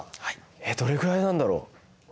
えっどれぐらいなんだろう。